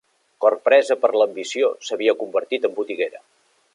Corpresa per l'ambició, s'havia convertit en botiguera